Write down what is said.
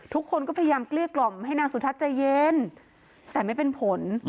ทุกคนก็พยายามเกลี้ยกล่อมให้นางสุทัศน์ใจเย็นแต่ไม่เป็นผล